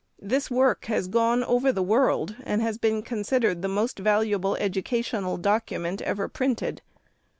This work has gone over the world, and has been considered the most valuable educational document ever printed.